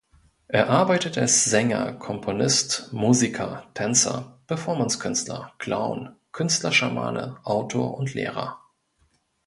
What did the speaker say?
Er arbeitet als Sänger, Komponist, Musiker, Tänzer, Performance-Künstler, Clown, Künstler-Schamane, Autor und Lehrer.